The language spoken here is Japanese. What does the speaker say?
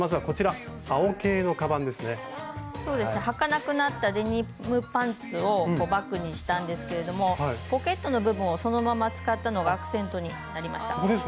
はかなくなったデニムパンツをバッグにしたんですけれどもポケットの部分をそのまま使ったのがアクセントになりました。